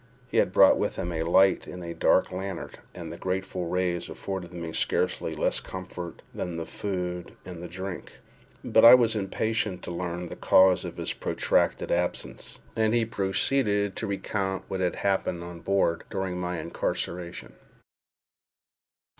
He had brought with him a light in a dark lantern, and the grateful rays afforded me scarcely less comfort than the food and drink. But I was impatient to learn the cause of his protracted absence, and he proceeded to recount what had happened on board during my incarceration.